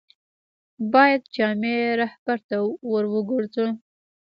باید جامع رهبرد ته ور وګرځو.